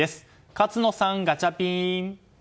勝野さん、ガチャピン！